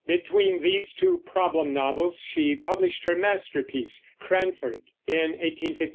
Between these two problem novels she published her masterpiece, Cranford, in 1853.